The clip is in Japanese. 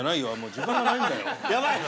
時間がないんだよ。